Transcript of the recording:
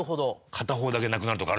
片方だけなくなるとかある。